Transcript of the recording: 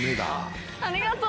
ありがとう。